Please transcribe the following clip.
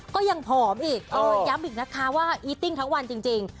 ก็ยังผอมอีกย้ำอีกนะคะว่าอีติ้งทั้งวันจริง